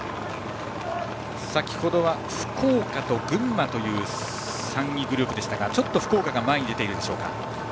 先程は、福岡と群馬という３位グループでしたがちょっと福岡が前に出ているでしょうか。